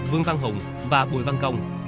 vương văn hùng và bùi văn công